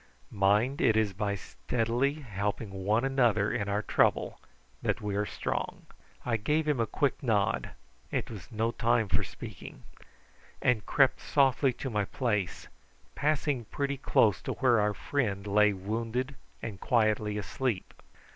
Mind it is by steadily helping one another in our trouble that we are strong." I gave him a quick nod it was no time for speaking and crept softly to my place, passing pretty close to where our friend lay wounded and quietly asleep.